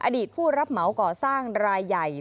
ผู้รับเหมาก่อสร้างรายใหญ่